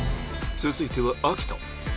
続いては秋田